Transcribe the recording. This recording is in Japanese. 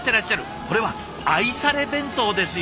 これは愛され弁当ですよ。